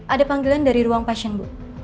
ada panggilan dari ruang pasien bu